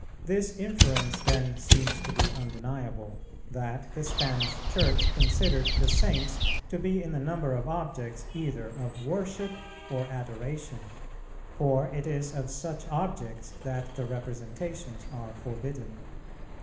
This inference then seems to be undeniable, that the Spanish Church considered the Saints to be in the number of objects either of "worship or adoration;" for it is of such objects that the representations are forbidden.